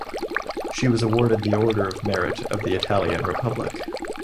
She was awarded the Order of Merit of the Italian Republic.